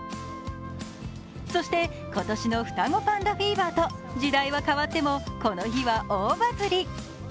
そして今年の双子パンダフィーバーと、時代は変わってもこの日は大バズり。